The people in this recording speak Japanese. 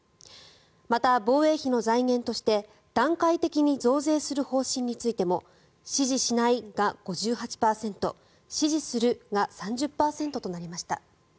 また、防衛費の財源として段階的に増税する方針についても支持しないが５８％支持するが３０％となりました。